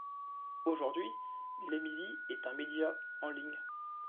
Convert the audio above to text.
Aujourd'hui, l'émiliE est un média en ligne.